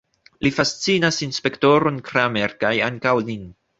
Li fascinas inspektoron Kramer, kaj ankaŭ nin.